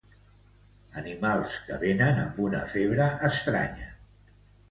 Animals que venen amb una febre estranya.